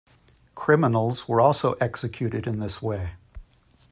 Criminals were also executed in this way.